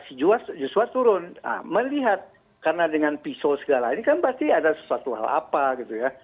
si joshua turun melihat karena dengan pisau segala ini kan pasti ada sesuatu hal apa gitu ya